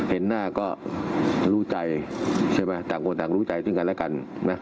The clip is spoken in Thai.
เห็นหน้าก็รู้ใจใช่ไหมต่างคนต่างรู้ใจซึ่งกันและกันนะ